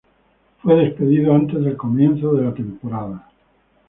Fue despedido antes del comienzo de la temporada.